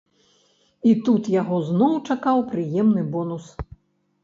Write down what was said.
І тут яго зноў чакаў прыемны бонус.